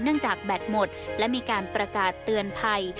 จากแบตหมดและมีการประกาศเตือนภัย